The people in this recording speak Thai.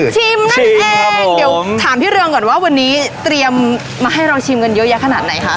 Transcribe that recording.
ชิมนั่นเองเดี๋ยวถามพี่เรืองก่อนว่าวันนี้เตรียมมาให้เราชิมกันเยอะแยะขนาดไหนคะ